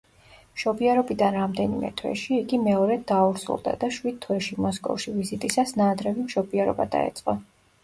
მშობიარობიდან რამდენიმე თვეში იგი მეორედ დაორსულდა და შვიდ თვეში, მოსკოვში ვიზიტისას ნაადრევი მშობიარობა დაეწყო.